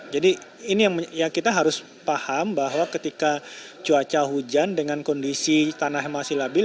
jadi ini yang kita harus paham bahwa ketika cuaca hujan dengan kondisi tanah yang masih labil